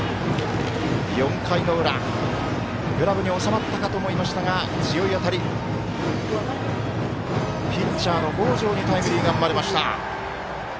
４回の裏グラブに収まったかと思いましたが強い当たり、ピッチャーの北條にタイムリーが生まれました。